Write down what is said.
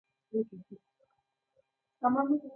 د وطن خاوره د سترګو رانجه ده.